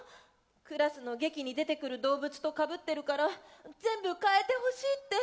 クラスの劇に出てくる動物とかぶってるから全部変えてほしいって。